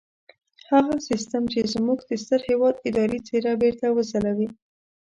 هغه سيستم چې زموږ د ستر هېواد اداري څېره بېرته وځلوي.